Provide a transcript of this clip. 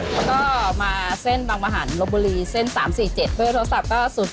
ก็มาเส้นบางบาหารโลบบุรีเส้น๓๔๗เบื้อโทรศัพท์ก็๐๘๘๖๗๑๙๐๑๒